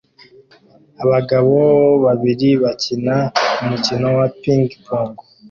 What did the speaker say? Abagabo babiri bakina umukino wa ping-pong